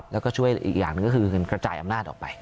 แล้วก็ช่วยอีกอย่างหนึ่งก็คือกระจายอำนาจออกไป